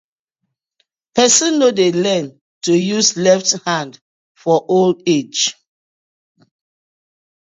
Person no dey learn to use left hand for old age: